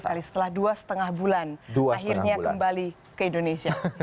setelah dua lima bulan akhirnya kembali ke indonesia